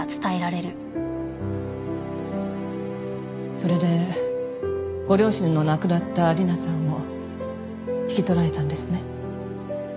それでご両親の亡くなった理奈さんを引き取られたんですね。